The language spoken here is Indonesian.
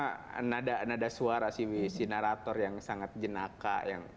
pertama nada suara si narrator yang sangat jenaka